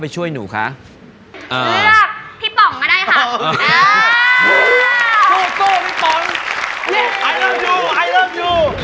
บ๊ายบาย